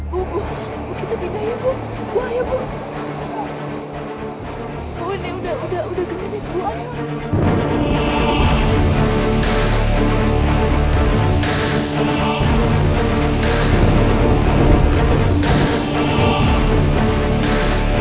bu kita pindah ya bu